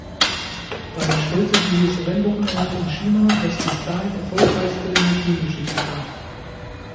Damit stellte dieses Rennwochenende in China das bis dahin erfolgreichste in der Teamgeschichte dar.